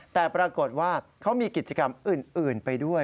แต่ปรากฏว่าเขามีกิจกรรมอื่นไปด้วย